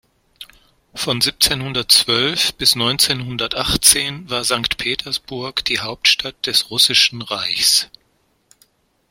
Von siebzehnhundertzwölf bis neunzehnhundertachtzehn war Sankt Petersburg die Hauptstadt des Russischen Reichs.